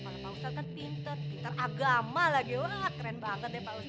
kalau pak ustadz kan pinter pinter agama lagi wah keren banget ya pak ustadz